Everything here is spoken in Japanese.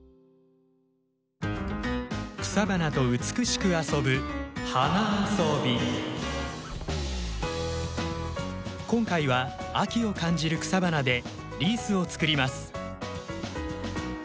草花と美しく遊ぶ今回は秋を感じる草花でリースをつくります。